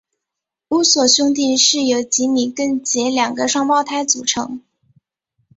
乌索兄弟是由吉米跟杰两个双胞胎组成。